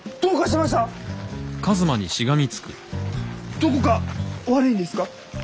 どこかお悪いんですか？